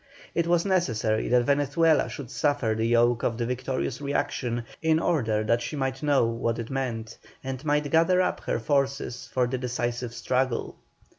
It was necessary that Venezuela should suffer the yoke of the victorious reaction, in order that she might know what it meant, and might gather up her forces for the decisive struggle.